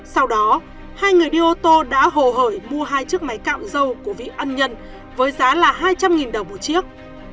sau đó hai người đi ô tô đã hồ hởi mua hai chiếc máy cạo dâu của vị ân nhân với giá là hai trăm linh đồng một chiếc